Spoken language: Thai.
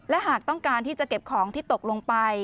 และหากต้องการที่จะเก็บของที่ตกลงไป